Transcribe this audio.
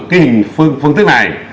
cái hình phương thức này